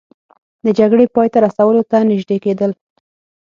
د جګړې پای ته رسولو ته نژدې کیدل